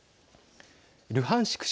ルハンシク